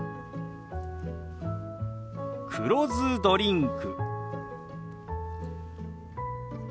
「黒酢ドリンク」。